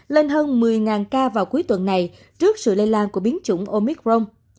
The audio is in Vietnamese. lên hơn một mươi ca vào cuối tuần này trước sự lây lan của biến chủng omicron